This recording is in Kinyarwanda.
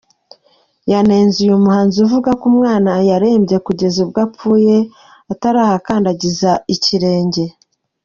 Yanenze uyu muhanzi avuga ko umwana yarembye kugeza ubwo apfuye atarahakandagiza ikirenge.